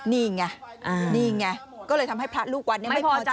นี่ไงนี่ไงก็เลยทำให้พระลูกวัดไม่พอใจ